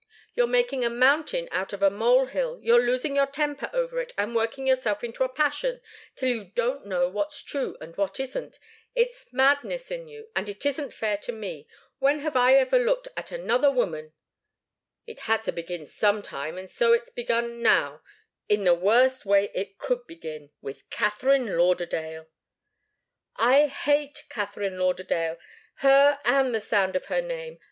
"You're making a mountain out of a mole hill. You're losing your temper over it, and working yourself into a passion, till you don't know what's true and what isn't. It's madness in you, and it isn't fair to me. When have I ever looked at another woman " "It had to begin some time so it's begun now in the worst way it could begin, with Katharine Lauderdale!" "I hate Katharine Lauderdale her and the sound of her name!